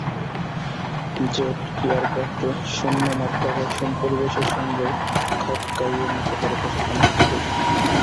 Jet এয়ারক্রাফটে শূন্য মাধ্যাকর্ষণ পরিবেশের সঙ্গেও খাপ খাইয়ে নিতে হয় প্রশিক্ষণার্থীদের।